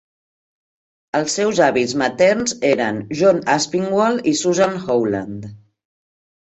Els seus avis materns eren John Aspinwall i Susan Howland.